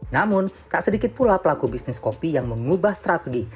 namun tak sedikit pula pelaku bisnis kopi yang mengubah strategi